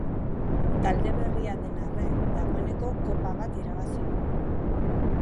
Talde berria den arren dagoeneko Kopa bat irabazi du.